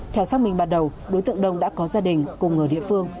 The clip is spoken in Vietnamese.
theo xác minh ban đầu đối tượng đông đã có gia đình cùng ở địa phương